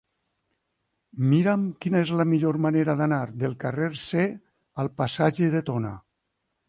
Mira'm quina és la millor manera d'anar del carrer C al passatge de Tona.